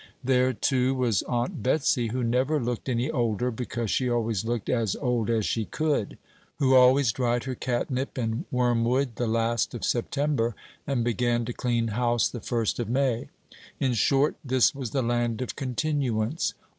There, too, was Aunt Betsey, who never looked any older, because she always looked as old as she could; who always dried her catnip and wormwood the last of September, and began to clean house the first of May. In short, this was the land of continuance.